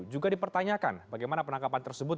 juga dipertanyakan bagaimana penangkapan tersebut